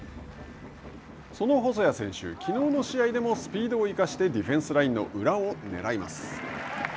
その細谷選手、きのうの試合でもスピードを生かしてディフェンスラインの裏を狙います。